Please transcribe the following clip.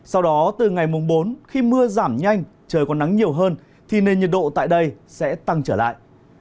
sau đó từ ngày mùng bốn khi mưa giảm nhanh trời có nắng nhiều hơn thì nền nhiệt độ tại đây sẽ tăng trở lại